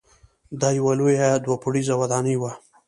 دا یوه لویه دوه پوړیزه ودانۍ وه.